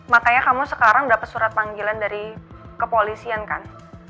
makanya kamu sekarang udah pesurat panggilan dari kepolisian kan